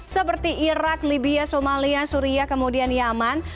seperti irak libya somalia suria kemudian yemen